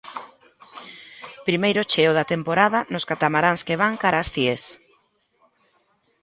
Primeiro cheo da temporada nos catamaráns que van cara ás Cíes.